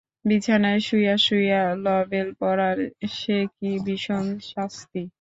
বিছানায় শুইয়া শুইয়া লভেল পড়ার সে কী ভীষণ শাস্তি!